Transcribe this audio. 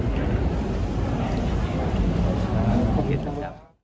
ขอบคุณครับ